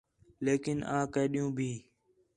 لیکن آں کے ݙِین٘ہوں بھی